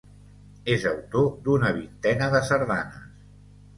És autor d'una vintena de sardanes.